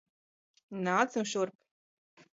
Nāc nu šurp!